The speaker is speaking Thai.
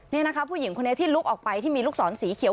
นี่นะคะผู้หญิงคนนี้ที่ลุกออกไปที่มีลูกศรสีเขียว